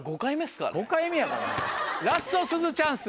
ラストすずチャンス。